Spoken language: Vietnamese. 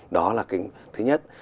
đó là cái thứ nhất